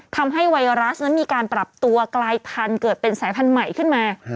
ไวรัสนั้นมีการปรับตัวกลายพันธุ์เกิดเป็นสายพันธุ์ใหม่ขึ้นมา